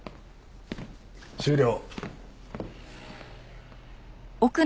終了。